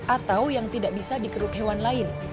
atau yang tidak bisa dikeruk hewan lain